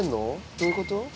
どういうこと？